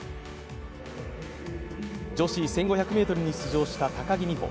女子１５００ｍに出場した高木美帆。